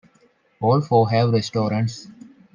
All four have restaurants.